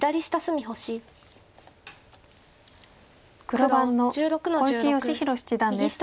黒番の小池芳弘七段です。